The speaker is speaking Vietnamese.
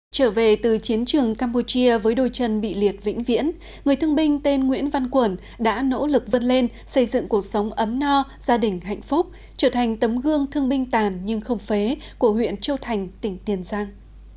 trở về từ chiến trường campuchia với đôi chân bị liệt vĩnh viễn người thương binh tên nguyễn văn quẩn đã nỗ lực vươn lên xây dựng cuộc sống ấm no gia đình hạnh phúc trở thành tấm gương thương binh tàn nhưng không phế của huyện châu thành tỉnh tiền giang